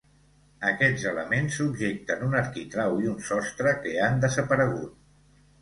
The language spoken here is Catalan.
Aquests elements subjecten un arquitrau i un sostre que han desaparegut.